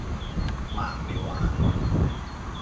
盲了眼